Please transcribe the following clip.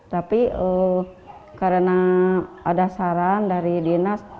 tapi karena ada saran dari dinas